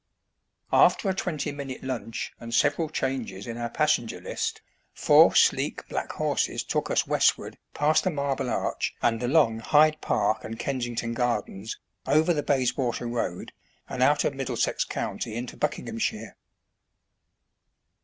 After a twenty minute lunch and several changes in our passenger list, four sleek black horses took us westward past the Marble Arch and along Hyde Park and Kensington Gardens, over the Bayswater Road, and out of Middlesex County into Bucking hamshire.